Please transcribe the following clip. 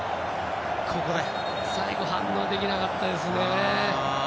最後反応できなかったですよね。